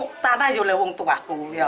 itu tanah yang ada di bawah